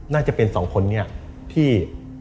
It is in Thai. น่าจะเป็น๒คนเนี่ยที่